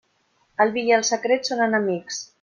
El vi i el secret són enemics.